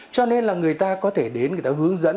cho nên là người ta có thể đến người ta hướng dẫn